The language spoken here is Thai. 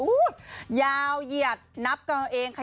ยาวเหยียดนับกันเอาเองค่ะ